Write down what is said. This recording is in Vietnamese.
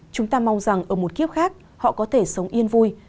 chúng ta mong rằng ở một kiếp khác họ có thể sống yên vui